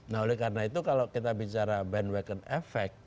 nah oleh karena itu kalau kita bicara bandwacon effect